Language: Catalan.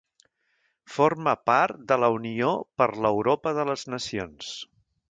Forma part de la Unió per l'Europa de les Nacions.